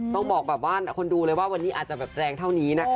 ต้องบอกแบบว่าคนดูเลยว่าวันนี้อาจจะแบบแรงเท่านี้นะคะ